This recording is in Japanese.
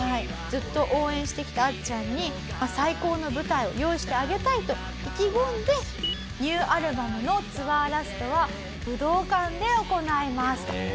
ずっと応援してきたあっちゃんに最高の舞台を用意してあげたいと意気込んでニューアルバムのツアーラストは武道館で行いますと。